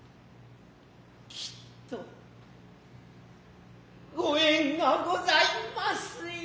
屹と御縁がございますよ。